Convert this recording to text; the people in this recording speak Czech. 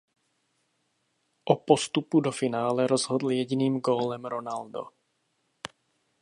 O postupu do finále rozhodl jediným gólem Ronaldo.